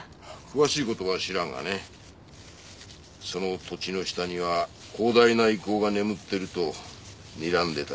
詳しい事は知らんがねその土地の下には広大な遺構が眠ってるとにらんでたらしいね三田村君は。